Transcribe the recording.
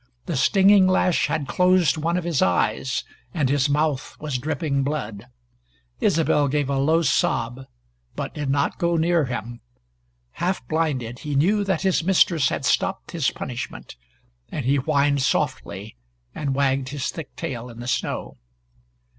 The stinging lash had closed one of his eyes and his mouth was dripping blood. Isobel gave a low sob, but did not go near him. Half blinded, he knew that his mistress had stopped his punishment, and he whined softly, and wagged his thick tail in the snow.